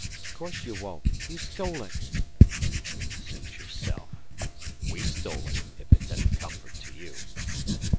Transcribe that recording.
"'Course you won't. You stole it." "Suit yourself. We stole it ef it's any comfort to you.